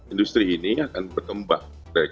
industri ini akan bertembak